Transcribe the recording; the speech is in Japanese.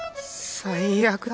最悪だ。